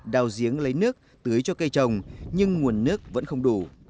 đào giếng lấy nước tưới cho cây trồng nhưng nguồn nước vẫn không đủ